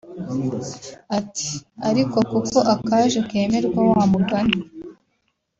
Ati “Ariko kuko akaje kemerwa wamugani